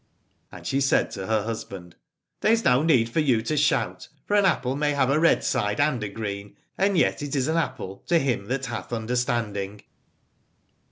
And she said to her husband. There is no need for you to shout : for an apple may have a red side and a green, and yet it is an apple, to him that hath understanding.